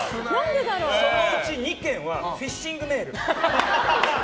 そのうち２件はフィッシングメール。